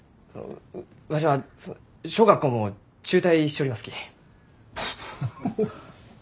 わしは小学校も中退しちょりますき。